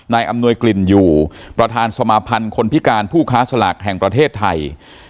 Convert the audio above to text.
อำนวยกลิ่นอยู่ประธานสมาพันธ์คนพิการผู้ค้าสลากแห่งประเทศไทย